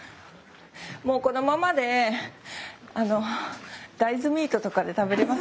もうこのままで大豆ミートとかで食べれますね。